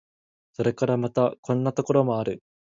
それからまた、こんなところもある。